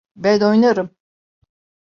Ben oynarım.